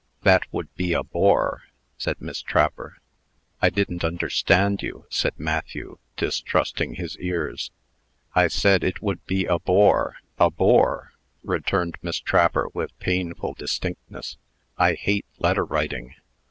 "That would be a bore," said Miss Trapper. "I didn't understand you," said Matthew, distrusting his ears. "I said it would be a bore a bore!" returned Miss Trapper, with painful distinctness. "I hate letter writing."